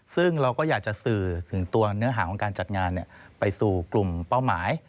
ซึ่งเราก็อยากจะสื่อถึงตัวเนื้อหาของการจัดงานไปสู่กลุ่มเป้าหมาย